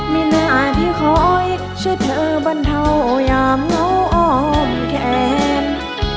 ไม่น่าที่ขออีกเชื่อเธอบรรเทายามเหงาออมแขน